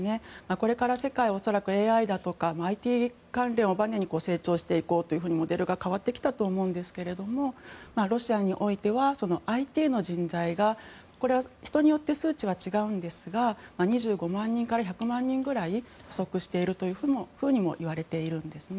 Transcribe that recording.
これから世界は恐らくＡＩだとかＩＴ関連をばねに成長していこうとモデルが変わってきたと思うんですがロシアにおいてはＩＴの人材がこれは人によって数値は違うんですが２５万人から１００万人ぐらい不足しているともいわれているんですね。